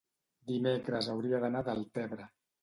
dimecres hauria d'anar a Deltebre.